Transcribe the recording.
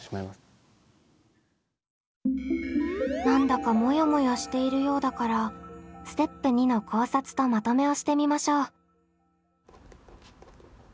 何だかモヤモヤしているようだからステップ２の考察とまとめをしてみましょう。